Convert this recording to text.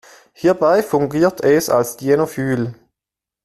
Hierbei fungiert es als Dienophil.